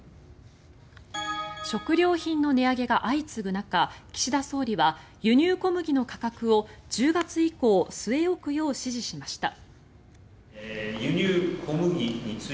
食料品の値上げが相次ぐ中岸田総理は輸入小麦の価格を１０月以降据え置くよう指示しました。